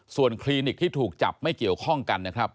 ส่วนคลินิกที่ถูกจับไม่เกี่ยวข้องกันนะครับ